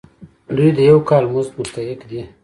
دوی د یو کال مزد مستحق دي.